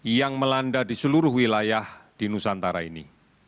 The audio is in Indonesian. yang melanda di seluruh wilayah di nusantara ini